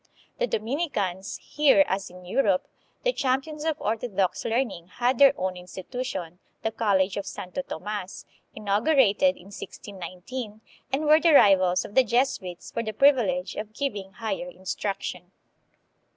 The Domini cans, here as in Europe, the champions of orthodox learn ing, had their own institution, the College of Santo Tomas, inaugurated in 1619, and were the rivals of the Jesuits for the privilege of giving higher instruction.